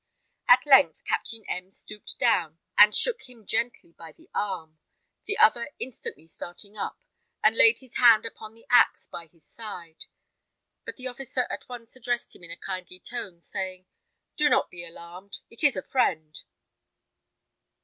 At length Captain M stooped down, and shook him gently by the arm. The other instantly started up, and laid his hand upon the axe by his side; but the officer at once addressed him in a kindly tone, saying, "Do not be alarmed; it is a friend."